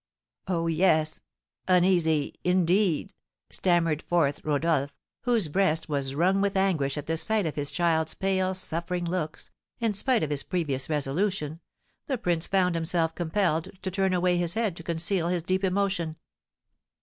"Oh, yes uneasy, indeed!" stammered forth Rodolph, whose breast was wrung with anguish at the sight of his child's pale, suffering looks, and, spite of his previous resolution, the prince found himself compelled to turn away his head to conceal his deep emotion.